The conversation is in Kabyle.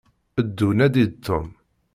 Ddu nadi-d Tom.